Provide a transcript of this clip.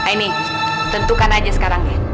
ini tentukan aja sekarang ya